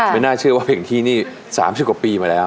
ไม่น่าเชื่อว่าเพลงที่นี่สามชั่วกว่าปีมาแล้ว